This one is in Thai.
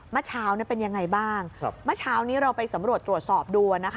มาเช้านี้เป็นยังไงบ้างมาเช้านี้เราไปสำรวจหรัฐสอบดู